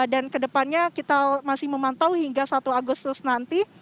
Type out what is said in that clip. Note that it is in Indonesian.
dan kedepannya kita masih memantau hingga satu agustus nanti